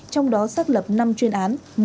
trong đó xác lập năm chuyên án